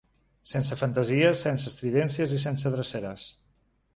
Sense fantasies, sense estridències i sense dreceres.